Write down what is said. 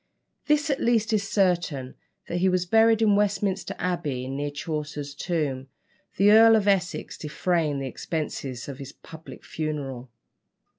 This at least is certain, that he was buried in Westminster Abbey, near Chaucer's tomb, the Earl of Essex defraying the expenses of his public funeral.